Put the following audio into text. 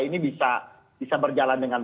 ini bisa berjalan dengan